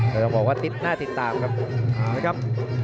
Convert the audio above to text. ต้องบอกว่าทิศน่าดีตามครับ